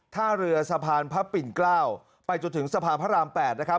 ท่าเรือสะพานพระปิ่นเกล้าไปจนถึงสะพานพระราม๘นะครับ